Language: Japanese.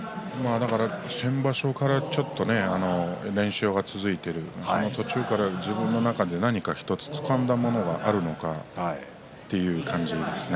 先場所から連勝が続いている、途中から自分の中で何かつかむものがあるかという感じですね。